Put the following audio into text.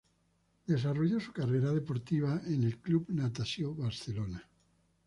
Desarrolló su carrera deportiva en el Club Natació Barcelona.